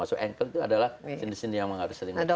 masuk engkel itu adalah sendi sendi yang harus sering bergerak